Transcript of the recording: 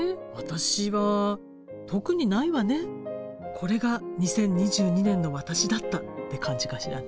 「これが２０２２年の私だった」って感じかしらね。